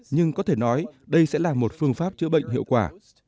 nhưng có thể nói đây sẽ là một phương pháp chữa bệnh hiệu quả